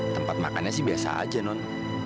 tempat makannya sih biasa aja non